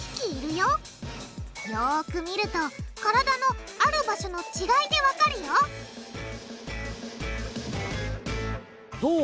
よく見ると体のある場所の違いでわかるよどう？